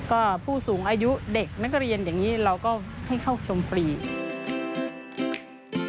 เราก็ให้เข้าชมฟรี